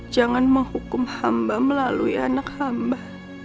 jangan menghukum hamba melalui anak hamba